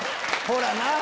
ほらな！